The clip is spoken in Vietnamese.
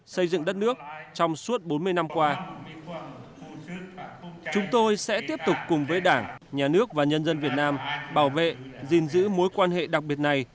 chúng tôi sẽ tiếp tục cùng với đảng nhà nước và nhân dân việt nam bảo vệ giữ mối quan hệ đặc biệt này